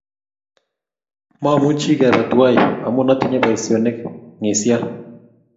Mamuchi kebe tuwai amu atinye boisionik ng'isian